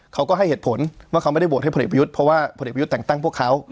เขาก็ให้เหตุผลว่าเขาไม่ได้โหวตให้พลเอกประยุทธ์เพราะว่าผลเอกประยุทธ์แต่งตั้งพวกเขา